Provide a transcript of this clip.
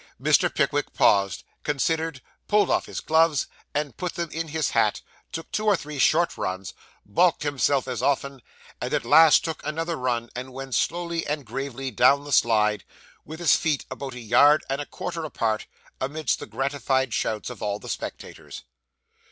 Mr. Pickwick paused, considered, pulled off his gloves and put them in his hat; took two or three short runs, baulked himself as often, and at last took another run, and went slowly and gravely down the slide, with his feet about a yard and a quarter apart, amidst the gratified shouts of all the spectators.